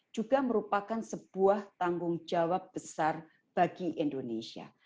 juga merupakan sebuah tanggung jawab besar bagi indonesia